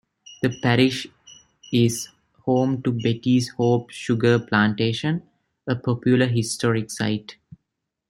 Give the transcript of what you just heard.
The parish is home to Betty's Hope Sugar Plantation, a popular historic site.